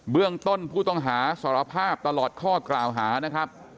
เรื่องต้นผู้ต้องหาสารภาพตลอดข้อกล่าวหานะครับ